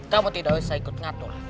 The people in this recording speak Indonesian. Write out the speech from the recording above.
kamu tidak usah ikut ngatur